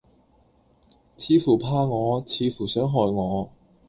似乎怕我，似乎想害我。